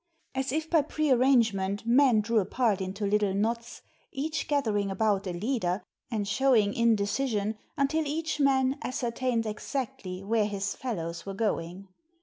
As if by prearrangement, men drew apart into little knots, each gathering about a leader and showing indecision until each man ascertained exactly where his fellows were going.